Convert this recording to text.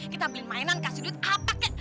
kita beli mainan kasih duit apa